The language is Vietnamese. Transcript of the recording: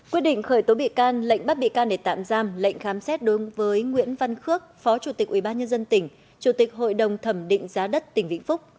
quyết định khởi tố bị can lệnh bắt bị can để tạm giam lệnh khám xét đối với nguyễn văn khước phó chủ tịch ubnd tỉnh chủ tịch hội đồng thẩm định giá đất tỉnh vĩnh phúc